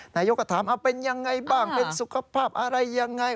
นายยกก็ถามเป็นอย่างไรบ้างเป็นสุขภาพอะไรอย่างไร